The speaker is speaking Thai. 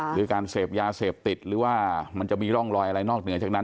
หรือการเสพยาเสพติดหรือว่ามันจะมีร่องรอยอะไรนอกเหนือจากนั้น